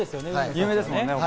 有名ですもんね。